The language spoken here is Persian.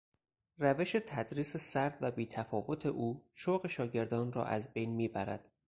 روش تدریس سرد و بیتفاوت او شوق شاگردان را از بین میبرد.